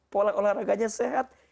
pola olahraganya sehat